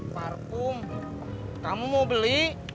parfum kamu mau beli